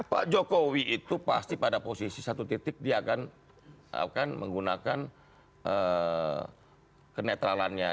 pak jokowi itu pasti pada posisi satu titik dia akan menggunakan kenetralannya